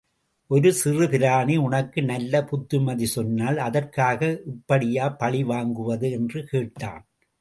ஒரு சிறு பிராணி உனக்கு நல்ல புத்திமதி சொன்னால், அதற்காக இப்படியா பழி வாங்குவது? என்று கேட்டான்.